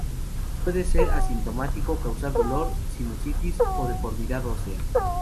Puede ser asintomático, causar dolor, sinusitis o deformidad ósea.